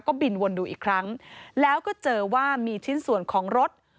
ก็บินวนดูอีกครั้งแล้วก็เจอว่ามีชิ้นส่วนของรถ